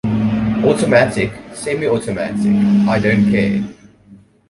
Automatic, semi automatic, I don't care.